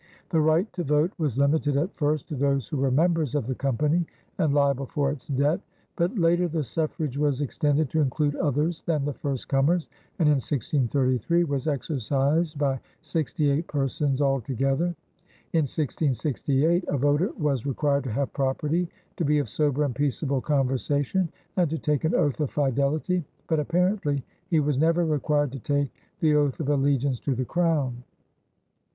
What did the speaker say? The right to vote was limited at first to those who were members of the company and liable for its debt, but later the suffrage was extended to include others than the first comers, and in 1633 was exercised by sixty eight persons altogether. In 1668, a voter was required to have property, to be "of sober and peaceable conversation," and to take an oath of fidelity, but apparently he was never required to take the oath of allegiance to the Crown.